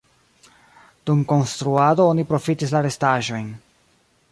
Dum konstruado oni profitis la restaĵojn.